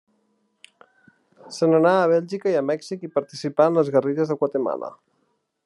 Se n'anà a Bèlgica i a Mèxic i participà en les guerrilles de Guatemala.